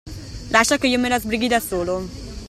Lascia che io me la sbrighi da solo.